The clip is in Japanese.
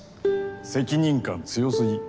責任感強すぎ。